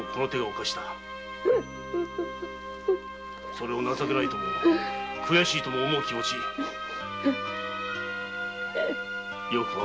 それを情けないとも悔しいとも思う気持よく分かるぞ。